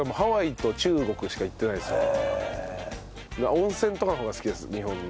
温泉とかの方が好きです日本の。